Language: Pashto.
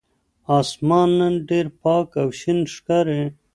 آسمان نن ډېر پاک او شین ښکاري.